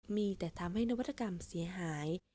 มีแต่ทำให้นวัตกรรมเสียหาย